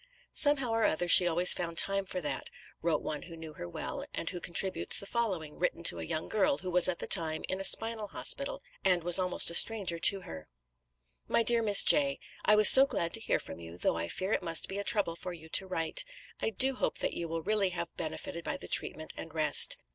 Somehow or other she always found time for that, wrote one who knew her well, and who contributes the following, written to a young girl who was at the time in a spinal hospital, and who was almost a stranger to her: MY DEAR MISS J. I was so glad to hear from you, though I fear it must be a trouble for you to write. I do hope that you will really have benefited by the treatment and rest.